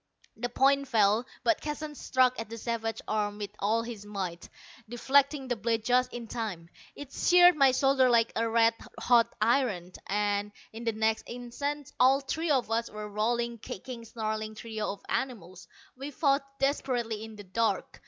The point fell, but Keston struck at the savage arm with all his might, deflecting the blade just in time. It seared my shoulder like a red hot iron, and in the next instant all three of us were a rolling, kicking, snarling trio of animals. We fought desperately in the dark.